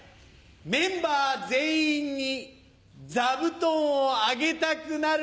メンバー全員に座布団をあげたくなる司会者を。